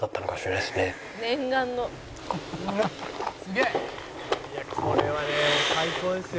「いやこれはね最高ですよ」